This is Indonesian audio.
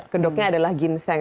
gendoknya adalah ginseng